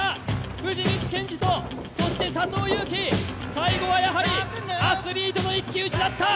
藤光謙司とそして、佐藤悠基最後はやはりアスリートの一騎打ちだった！